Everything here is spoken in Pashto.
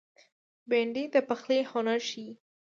بېنډۍ د پخلي هنر ښيي